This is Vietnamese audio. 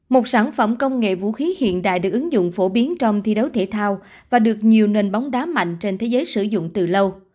một sản phẩm công nghệ vũ khí hiện đại được ứng dụng phổ biến trong thi đấu thể thao và được nhiều nền bóng đá mạnh trên thế giới sử dụng từ lâu